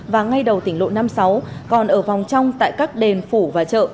và ngay đầu tỉnh lộ năm mươi sáu còn ở vòng trong tại các đền phủ và chợ